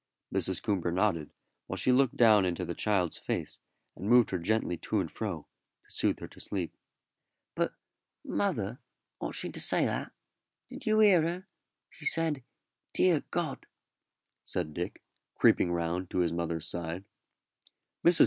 Mrs. Coomber nodded, while she looked down into the child's face and moved her gently to and fro to soothe her to sleep. "But, mother, ought she to say that? Did you hear her? She said 'dear God,'" said Dick, creeping round to his mother's side. Mrs.